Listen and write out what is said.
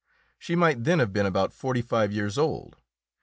She might then have been about forty five years old.